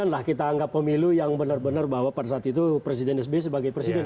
dua ribu sembilan lah kita anggap pemilu yang benar benar bahwa pada saat itu presiden psb sebagai presiden